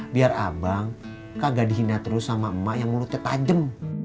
biar abang kagak dihina terus sama emak yang mulutnya tajem